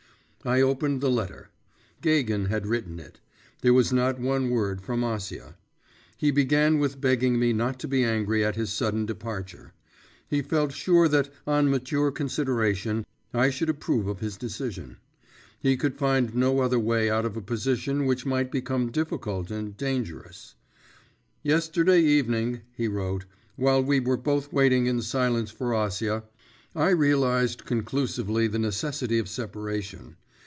I opened the letter. Gagin had written it; there was not one word from Acia. He began with begging me not to be angry at his sudden departure; he felt sure that, on mature consideration, I should approve of his decision. He could find no other way out of a position which might become difficult and dangerous. 'Yesterday evening,' he wrote, 'while we were both waiting in silence for Acia, I realised conclusively the necessity of separation.